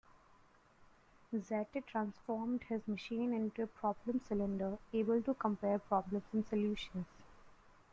Zerte transformed this machine into a problem cylinder able to compare problems and solutions.